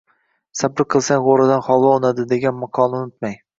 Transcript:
Sabr qilsan g’o’radan holva unadi degan maqolni unutmang